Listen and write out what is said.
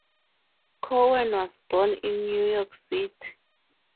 Cowan was born in New York City.